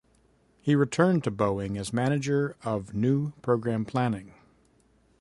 He returned to Boeing as manager of new program planning.